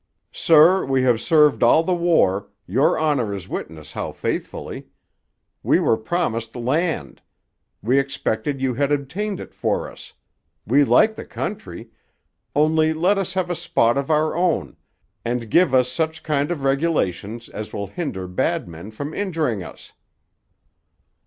'Sir, we have served all the war, your honour is witness how faithfully. We were promised land; we expected you had obtained it for us. We like the country only let us have a spot of our own, and give us such kind of regulations as will hinder bad men from injuring us.'